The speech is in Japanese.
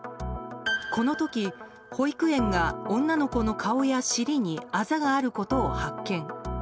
この時保育園が女の子の顔や尻にあざがあることを発見。